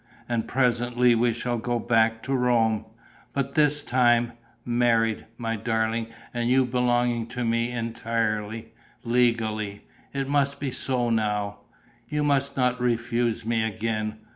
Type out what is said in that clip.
And presently we shall go back to Rome. But this time ... married, my darling, and you belonging to me entirely, legally. It must be so now; you must not refuse me again.